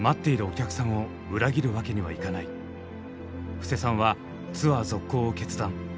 布施さんはツアー続行を決断。